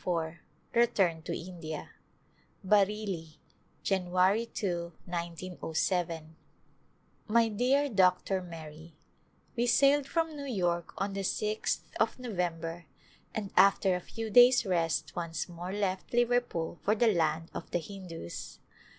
XXIV Return to India Bareilly^ 'Jan, 2^ 190J, My dear Dr. Mary : We sailed from New York on the 6th of November and after a few days' rest once more left Liverpool for the land of the Hindus.